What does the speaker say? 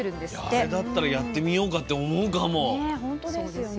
あれだったらやってみようかって思うかも。ね